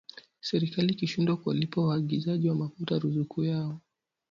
serikali kushindwa kuwalipa waagizaji wa mafuta ruzuku yao